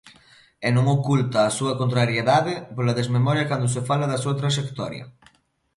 E non oculta a súa contrariedade pola desmemoria cando se fala da súa traxectoria.